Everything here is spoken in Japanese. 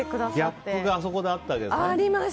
ギャップがそこであったわけですね。